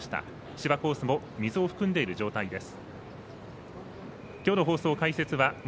芝コースも水を含んでいる状況です。